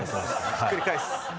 ひっくり返す。